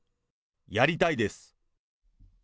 やりたいです。